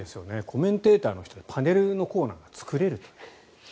コメンテーターの人でパネルのコーナーが作れるという。